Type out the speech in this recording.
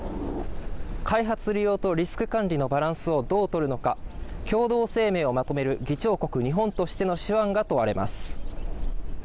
開発利用とリスク管理のバランスをどう取るのか、共同声明をまとめる議長国日本としての手腕が問われます。